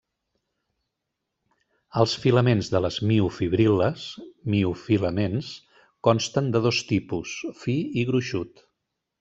Els filaments de les miofibril·les, miofilaments, consten de dos tipus, fi i gruixut.